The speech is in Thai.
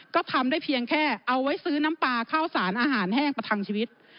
ก็ทำได้เพียงแค่เอาไว้ซื้อน้ำปลาข้าวสารอาหารแห้งประทังชีวิต